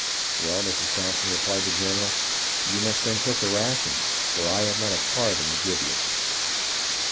"Well, Mrs. Thompson," replied the general, "you must then cook the rations, for I have not a farthing to give you."